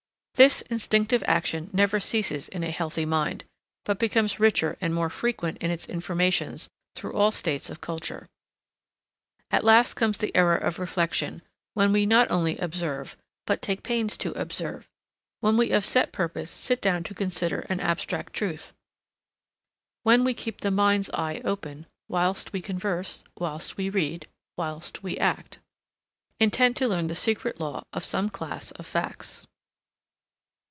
This instinctive action never ceases in a healthy mind, but becomes richer and more frequent in its informations through all states of culture. At last comes the era of reflection, when we not only observe, but take pains to observe; when we of set purpose sit down to consider an abstract truth; when we keep the mind's eye open whilst we converse, whilst we read, whilst we act, intent to learn the secret law of some class of facts.